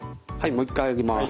もう一回上げます。